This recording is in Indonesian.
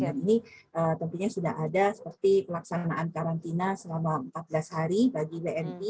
dan ini tentunya sudah ada seperti pelaksanaan karantina selama empat belas hari bagi bni